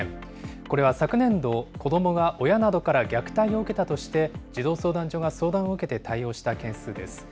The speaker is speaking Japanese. これは昨年度、子どもが親などから虐待を受けたとして、児童相談所が相談を受けて対応した件数です。